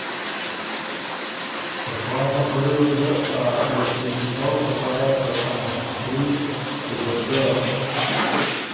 ته پا خبُره يې ګه ا یقیني کؤ پکر هۀ که ا مفت خؤري ته جرګه